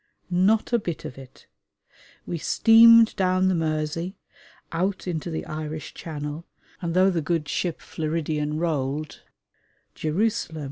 Not a bit of it. We steamed down the Mersey, out into the Irish Channel, and though the good ship Floridian rolled (Jerusalem!